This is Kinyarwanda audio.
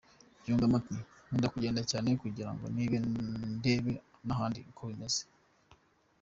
Yungamo ati “Nkunda kugenda cyane kugirango nige ndebe n’ahandi uko bimeze.